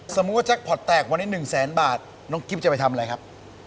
สมมุติว่าแจ็คพอร์ตแตกวันนี้๑แสนบาทน้องกิ๊บจะไปทำอะไรครับ